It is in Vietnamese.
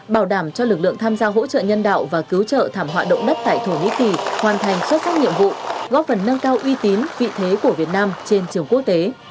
bảo đảm cho lực lượng tham gia hỗ trợ nhân đạo và cứu trợ thảm họa động đất tại thổ nhĩ kỳ hoàn thành xuất sắc nhiệm vụ góp phần nâng cao uy tín vị thế của việt nam trên trường quốc tế